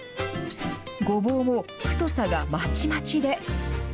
ごぼうも太さがまちまちで。